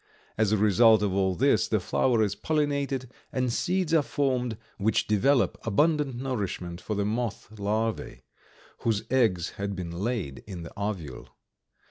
As a result of all this, the flower is pollinated and seeds are formed, which develop abundant nourishment for the moth larvae, whose eggs had been laid in the ovule.